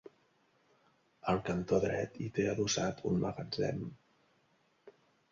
Al cantó dret hi té adossat un magatzem.